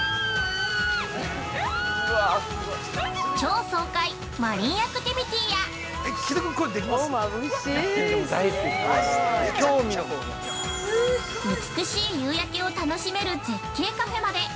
超爽快マリンアクティビティや美しい夕焼けを楽しめる絶景カフェまで。